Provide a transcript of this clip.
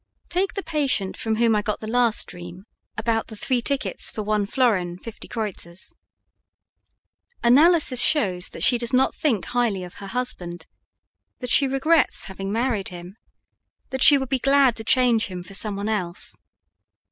Take the patient from whom I got the last dream about the three tickets for one florin fifty kreuzers. Analysis shows that she does not think highly of her husband, that she regrets having married him, that she would be glad to change him for some one else.